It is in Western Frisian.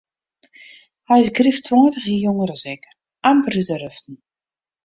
Hy is grif tweintich jier jonger as ik, amper út de ruften.